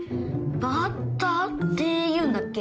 バーターっていうんだっけ？